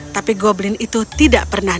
tapi goblin itu tidak menemukan dia